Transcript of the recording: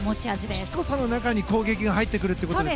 しつこさの中に攻撃が入ってくると。